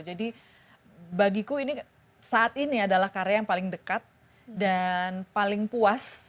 jadi bagiku ini saat ini adalah karya yang paling dekat dan paling puas